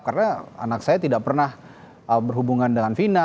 karena anak saya tidak pernah berhubungan dengan fina